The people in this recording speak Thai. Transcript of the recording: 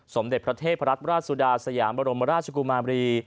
สมเด็จพระเทพรัตนราชสุดาสยามบรมราชกุมารี